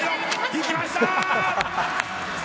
行きました。